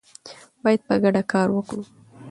باید په ګډه کار وکړو.